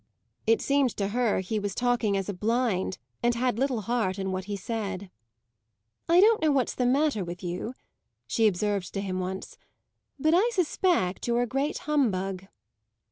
It seemed to her he was talking as a blind and had little heart in what he said. "I don't know what's the matter with you," she observed to him once; "but I suspect you're a great humbug."